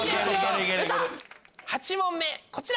８問目こちら！